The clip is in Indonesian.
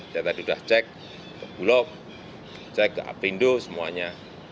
saya tadi sudah cek blok cek ke apindo semuanya